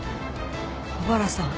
小原さん。